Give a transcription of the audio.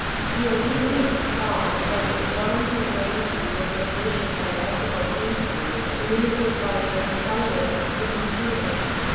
The Arminians taught that the divine sovereignty was conditioned by ethical prin ciples and limited by an element of human freedom.